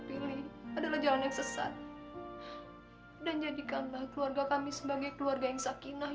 pilih adalah jalan yang sesat dan jadikanlah keluarga kami sebagai keluarga yang sakinah